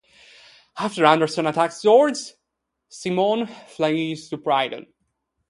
After Anderson attacks George, Simone flees to Brighton.